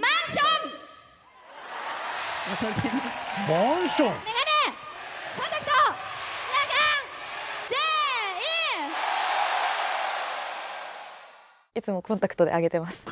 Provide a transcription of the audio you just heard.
マンション？いつもコンタクトで上げてます。